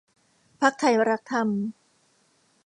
พรรคไทยรักธรรม